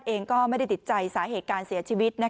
ตอนนี้ก็เพิ่งที่จะสูญเสียคุณย่าไปไม่นาน